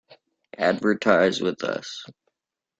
Advertise with us!